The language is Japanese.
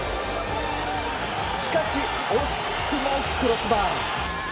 しかし、惜しくもクロスバーへ。